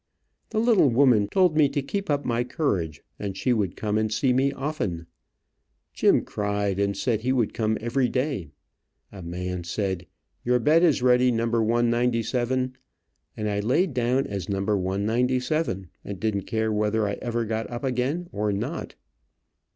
The little woman told me to keep up my courage, and she would come and see me often, Jim cried and said he would come everyday, a man said, "your bed is ready, No. 197," and I laid down as No. 197, and didn't care whether I ever got up again or not.